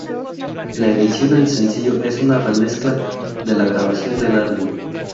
La edición en sencillo es una remezcla de la grabación del álbum.